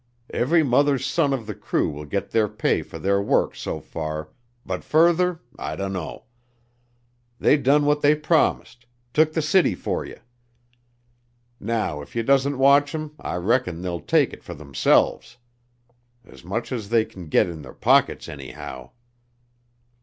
Every mother's son of the crew will git their pay fer their work so far, but further, I dunno. They done what they promised took the city fer ye. Now if ye doesn't watch 'em I reckon they'll take it fer themselves. As much as they can git in their pockets, anyhow."